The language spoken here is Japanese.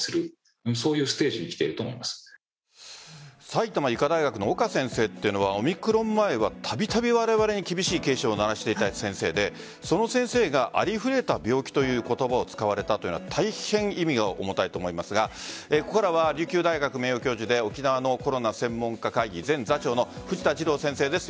埼玉医科大学の岡先生というのはオミクロン前はたびたび、われわれに厳しい警鐘を鳴らしていた先生でその先生がありふれた病気という言葉を使われたというのは大変意味が重たいと思いますがここからは琉球大学名誉教授で沖縄のコロナ専門家会議前座長の藤田次郎先生です。